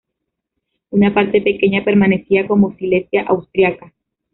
Un parte pequeña permanecía como Silesia austríaca.